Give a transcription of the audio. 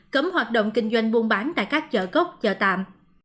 cấm hoạt động kinh doanh buôn bán tại các chợ cốc chợ tạm